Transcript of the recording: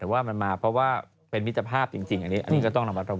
แต่ว่ามันมาเพราะว่าเป็นมิตรภาพจริงอันนี้ก็ต้องระมัดระวัง